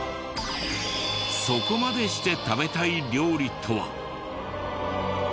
そこまでして食べたい料理とは？